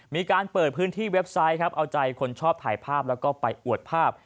มีการเปิดพื้นที่เว็บไซต์ครับเอาใจคนชอบถ่ายภาพแล้วก็ไปอวดภาพ